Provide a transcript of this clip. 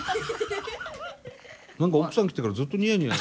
何か奥さん来てからずっとニヤニヤ。